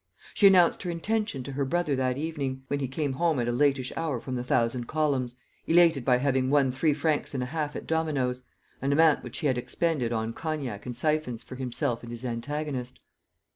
She announced her intention to her brother that evening, when he came home at a latish hour from the Thousand Columns, elated by having won three francs and a half at dominoes an amount which he had expended on cognac and syphons for himself and his antagonist.